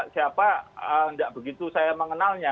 siapa tidak begitu saya mengenalnya